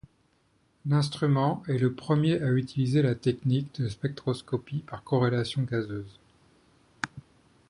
L'instrument est le premier à utiliser la technique de spectroscopie par corrélation gazeuse.